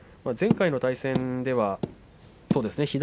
前回の対戦ではそうですね。